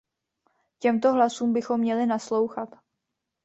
Těmto hlasům bychom měli naslouchat.